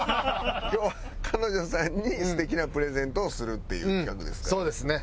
今日は彼女さんに素敵なプレゼントをするっていう企画ですからね。